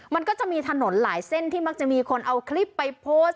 มันก็จะมีถนนหลายเส้นที่มักจะมีคนเอาคลิปไปโพสต์